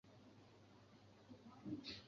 黑龟属是地龟科下的一个属。